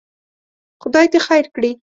خدای دې خیر کړي.